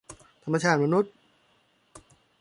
ธรรมชาติมนุษย์